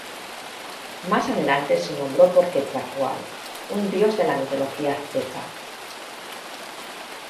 Más adelante se nombró por Quetzalcóatl, un dios de la mitología azteca.